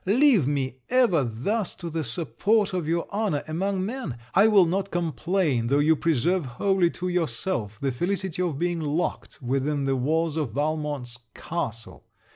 leave me ever thus to the support of your honor among men! I will not complain though you preserve wholly to yourself the felicity of being locked within the walls of Valmont's castle!